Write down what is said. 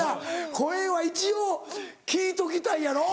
声は一応聞いときたいやろ？